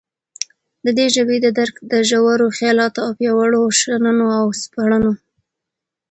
ددي ژبي ددرک دژورو خیالاتو او پیاوړو شننو او سپړنو